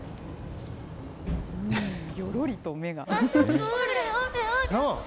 ぎょろりと目が。